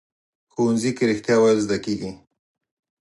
ښوونځی کې رښتیا ویل زده کېږي